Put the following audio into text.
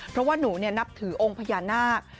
เพราะว่าหนูนับถือองค์พญานาค